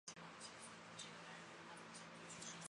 每次主日都会骑马出去拼命请街头的孩子参加主日学。